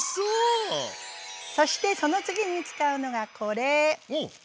そしてその次に使うのがこれ。